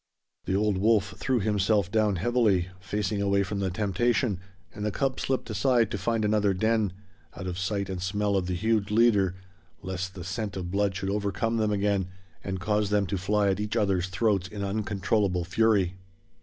The old wolf threw himself down heavily, facing away from the temptation, and the cub slipped aside to find another den, out of sight and smell of the huge leader, lest the scent of blood should overcome them again and cause them to fly at each other's throats in uncontrollable fury.